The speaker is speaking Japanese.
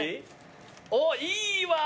おっいいわ！